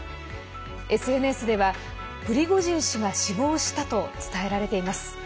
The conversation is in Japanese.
ＳＮＳではプリゴジン氏が死亡したと伝えられています。